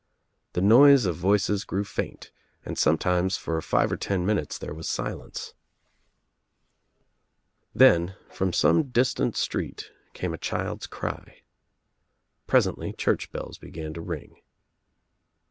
The noise of voices grew faint and sometimes for five or ten minutes there was silence. UNLIGHTED LAMPS 8l F Then from some distant street came a child's cry. Pres ently church bells began to ring.